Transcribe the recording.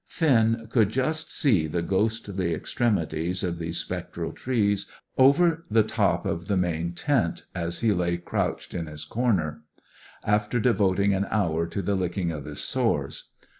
Finn could just see the ghostly extremities of these spectral trees over the top of the main tent as he lay crouched in his corner, after devoting an hour to the licking of his sores.